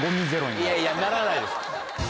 いやいやならないです。